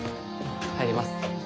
入ります。